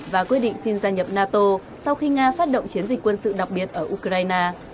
và quyết định xin gia nhập nato sau khi nga phát động chiến dịch quân sự đặc biệt ở ukraine